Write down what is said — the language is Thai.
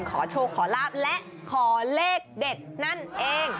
ขอโชคขอลาบและขอเลขเด็ดนั่นเอง